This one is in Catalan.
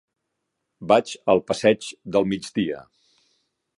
Vaig al passeig del Migdia.